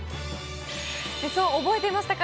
そう、覚えていましたか？